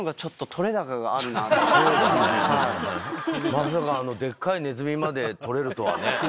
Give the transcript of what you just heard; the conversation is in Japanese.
まさかあのでっかいネズミまで撮れるとはね。